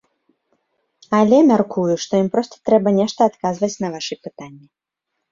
Але мяркую, што ім проста трэба нешта адказваць на вашы пытанні.